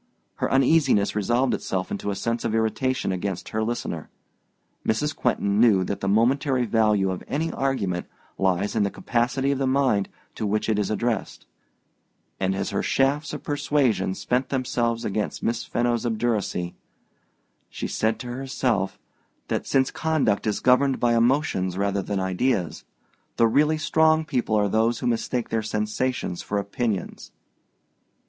Her uneasiness resolved itself into a sense of irritation against her listener. Mrs. Quentin knew that the momentary value of any argument lies in the capacity of the mind to which it is addressed, and as her shafts of persuasion spent themselves against Miss Fenno's obduracy, she said to herself that, since conduct is governed by emotions rather than ideas, the really strong people are those who mistake their sensations for opinions.